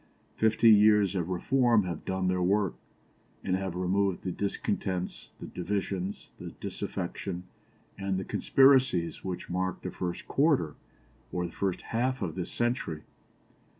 Fifty years of reform have done their work, and have removed the discontents, the divisions, the disaffection, and the conspiracies which marked the first quarter, or the first half of this century.